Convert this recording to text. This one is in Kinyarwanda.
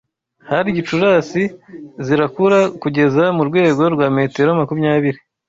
hari Gicurasi zirakura kugeza murwego rwa metero makumyabiri